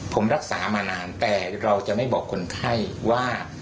ผมรักษามานานแต่เราจะไม่บอกคนไข้ว่า